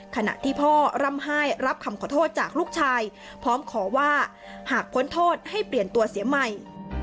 ขณะที่พ่อร่ำไห้รับคำขอโทษจากลูกชายพร้อมขอว่าหากพ้นโทษให้เปลี่ยนตัวเสียใหม่